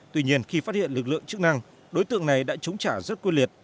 tuy nhiên khi phát hiện lực lượng chức năng đối tượng này đã chống trả rất quyết liệt